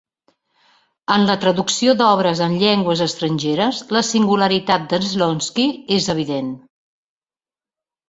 En la traducció d'obres en llengües estrangeres, la singularitat de Shlonsky és evident.